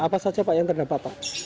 apa saja pak yang terdapat pak